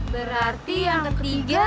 berarti yang ketiga itu setan